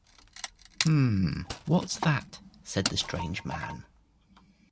‘Hum — what’s that?’ said the strange man.